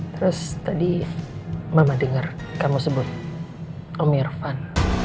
terus tadi mama denger kamu sebut om irfan